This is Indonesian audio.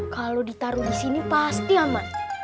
kalau ditaruh disini pasti aman